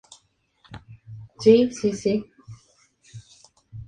La escala es la suma de las respuestas de los elementos del cuestionario.